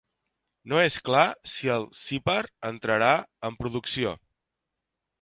No és clar si el Cypher entrarà en producció.